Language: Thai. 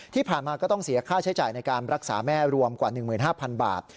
ก็ต้องเสียค่าใช้จ่ายในการรักษาแม่รวมกว่า๑๕๐๐๐บาท